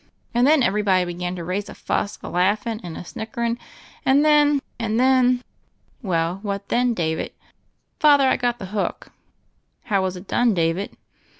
And then everybody began to raise a fuss, a laughin' and a snickerin' — ^and then — and then ■ "Well, what then, David?" "Father, I got the hook." "How was It done, David?"